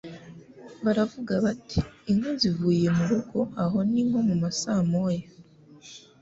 Baravugaga bati : Inka zivuye mu rugo aho ni nko mu masaa moya